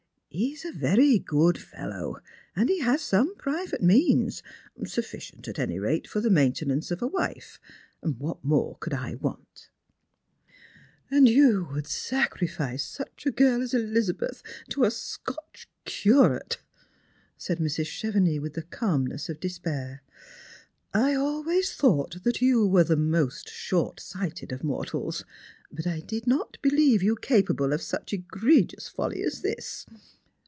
He is a very good fellow, and he has some private means, sufficient at any raia for the maintenance of a wife what more could I want ?"" And you would sacrifice such a girl as Elizabeth to a Scotc\ curate," said Mrs. Chevenix with the calmness of despair. " 1 always thought that you were the most short sighted of mortals; but I did not believe you capable of such egregious folly as thia.